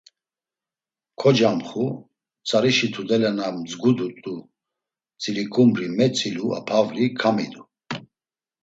Kocamxu, tzarişi tudele na mdzgudu tziliǩumri metzilu a pavri kamidu.